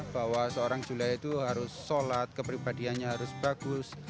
bahwa seorang julia itu harus sholat kepribadiannya harus bagus